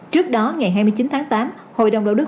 trước đó ngày hai mươi chín tháng tám hội đồng đạo đức